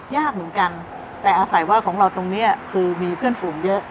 ยากเหมือนกันแต่อาศัยว่าของเราตรงนี้คือมีเพื่อนฝูงเยอะ